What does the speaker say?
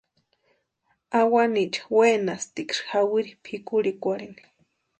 Awanicha wenatʼiksï jawiri pʼikurhikwarhini.